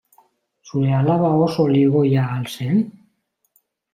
Zure alaba oso ligoia al zen?